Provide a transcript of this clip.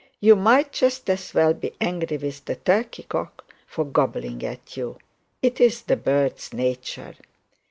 You might just as well be angry with the turkey cock for gobbling at you. It's the bird's nature.'